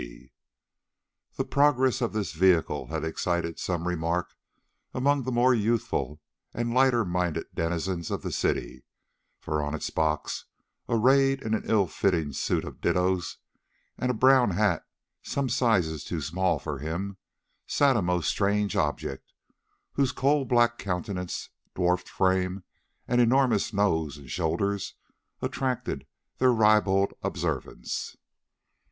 C. The progress of this vehicle had excited some remark among the more youthful and lighter minded denizens of the City, for on its box, arrayed in an ill fitting suit of dittoes and a brown hat some sizes too small for him, sat a most strange object, whose coal black countenance, dwarfed frame, and enormous nose and shoulders attracted their ribald observance.